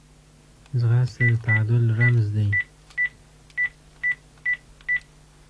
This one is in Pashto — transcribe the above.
ځغاسته د تعادل رمز دی